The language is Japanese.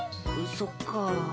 そっか。